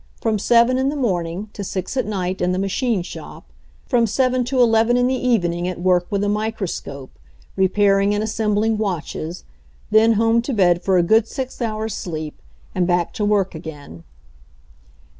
From seven in the morning to six at night in the machine shop, from seven to eleven in the evening at work with a microscope, repairing and assembling watches, then home to bed for a good six hours' sleep, and back to work again.